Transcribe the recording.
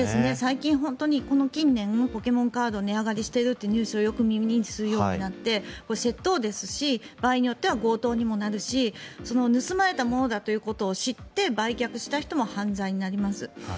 最近本当に、近年ポケモンカード値上がりしているというニュースをよく耳にするようになってこれ窃盗ですし場合によっては強盗にもなるし盗まれたものだということを知って売却した人も犯罪になります。